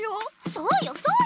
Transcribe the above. そうよそうよ！